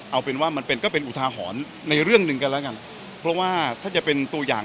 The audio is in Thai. เอาเป็นว่ามันเป็นก็เป็นอุทาหรณ์ในเรื่องหนึ่งกันแล้วกันเพราะว่าถ้าจะเป็นตัวอย่าง